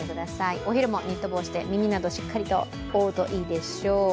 お昼もニット帽して、耳などしっかりと覆うといいでしょう。